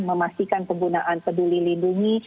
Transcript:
memastikan penggunaan peduli lindungi